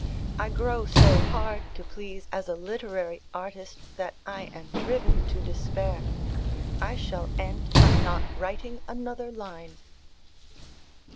I grow so hard to please as a literary artist, that I am driven to despair. I shall end by not writing another line."